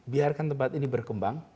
biarkan tempat ini berkembang